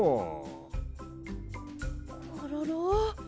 コロロ。